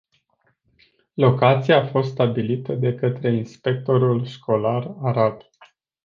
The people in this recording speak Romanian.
Locația a fost stabilită de către inspectoratul școlar Arad.